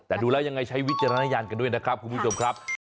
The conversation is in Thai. แต่ดูแล้วยังไงใช้วิจารณญาณกันด้วยนะครับคุณผู้ชมครับ